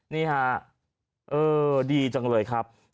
นี่ฮะเออดีจังเลยครับ